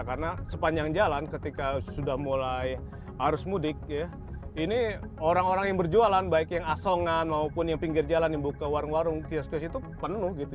karena sepanjang jalan ketika sudah mulai arus mudik ya ini orang orang yang berjualan baik yang asongan maupun yang pinggir jalan yang buka warung warung kiosk kiosk itu penuh gitu